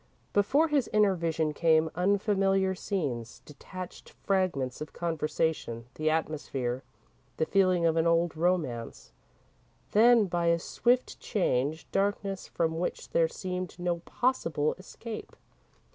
Before his inner vision came unfamiliar scenes, detached fragments of conversation, the atmosphere, the feeling of an old romance, then, by a swift change, darkness from which there seemed no possible escape.